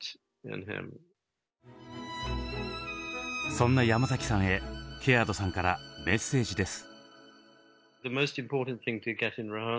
そんな山崎さんへケアードさんからメッセージです。